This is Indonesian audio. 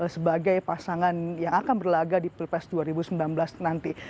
sebagai pasangan yang akan berlaga di pilpres dua ribu sembilan belas nanti